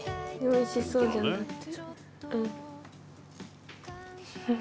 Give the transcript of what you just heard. おいしそうじゃない？